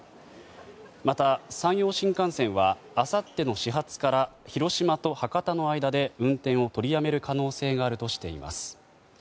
また、山陽新幹線はあさっての始発から広島と博多の間で運転を取りやめる可能性があるとしています。